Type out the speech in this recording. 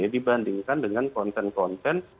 dibandingkan dengan konten konten